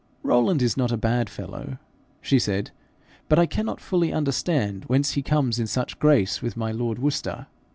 'Rowland is not a bad fellow,' she said, 'but I cannot fully understand whence he comes in such grace with my lord Worcester.